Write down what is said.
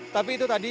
tapi itu tadi